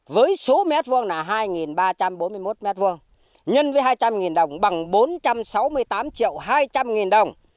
với số mét vuông là hai ba trăm bốn mươi một mét vuông nhân với hai trăm linh đồng bằng bốn trăm sáu mươi tám hai trăm linh đồng